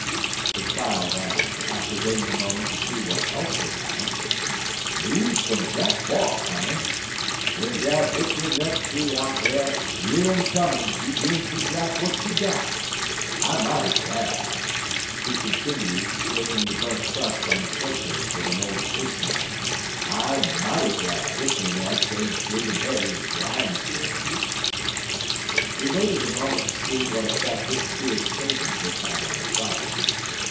the child asked, after waiting a moment to see what else would happen. "News fum Jack Fros', honey. W'en dat hick'y nut tree out dar year 'im comin' she 'gins ter drap w'at she got. I mighty glad," he continued, scraping the burnt crust from his hoe cake with an old case knife, "I mighty glad hick'y nuts ain't big en heavy ez grinestones." He waited a moment to see what effect this queer statement would have on the child.